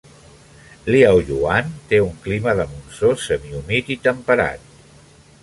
Liaoyuan té un clima de monsó semihumit i temperat.